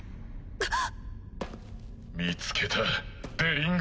あっ！